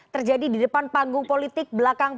terjadi di depan panggung politik belakang